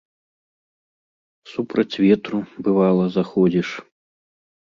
Супраць ветру, бывала, заходзіш.